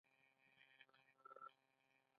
وړاندې خلک تيږه غورځوي، یوه ډله د غوزانو لوبه کوي.